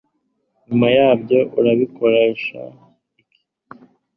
nyuma yabyo urabikoresha iki